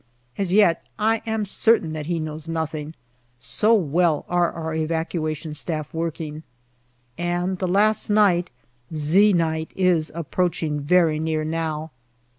As yet I am certain that he knows nothing, so well are our Evacua tion Staff working. And the last night " Z " night is approaching very near now.